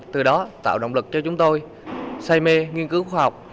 từ đó tạo động lực cho chúng tôi say mê nghiên cứu khoa học